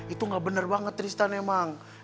itu gak bener banget tristan emang